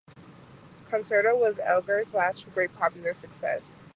The concerto was Elgar's last great popular success.